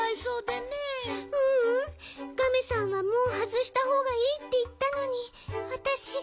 ううんガメさんはもうはずしたほうがいいっていったのにわたしが。